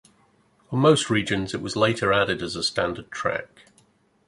On most regions it was later added as a standard track.